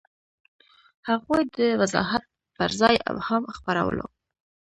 هغوی د وضاحت پر ځای ابهام خپرولو.